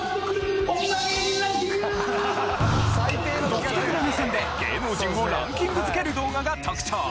独特の目線で芸能人をランキング付ける動画が特徴。